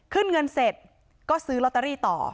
ขึ้นเงินเสร็จก็ซื้อลอตเตอรี่ต่อ